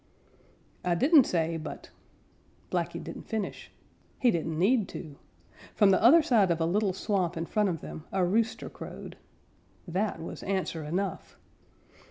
"I didn't say, but " Blacky didn't finish. He didn't need to. From the other side of a little swamp in front of them a rooster crowed. That was answer enough!